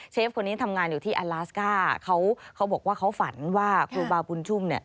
คนนี้ทำงานอยู่ที่อลาสก้าเขาเขาบอกว่าเขาฝันว่าครูบาบุญชุ่มเนี่ย